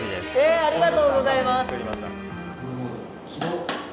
ありがとうござます。